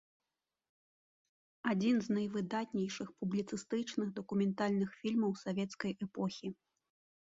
Адзін з найвыдатнейшых публіцыстычных дакументальных фільмаў савецкай эпохі.